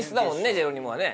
ジェロニモはね。